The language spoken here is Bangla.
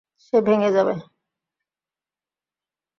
সে ভেঙে যাবে।